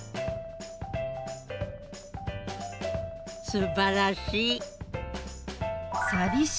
すばらしい。